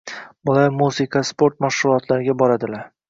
Bolalar musiqa, sport mashg‘ulotlariga boradilar.